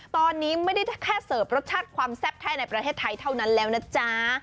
ตอนนี้ไม่ได้แค่เสิร์ฟรสชาติความแซ่บแค่ในประเทศไทยเท่านั้นแล้วนะจ๊ะ